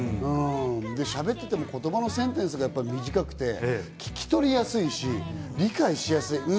しゃべってても言葉のセンテンスが短くて、聞き取りやすいし、理解しやすい。